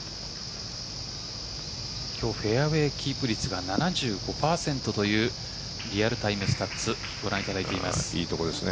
今日フェアウェイキープ率が７５％というリアルタイムスタッツご覧いただいています。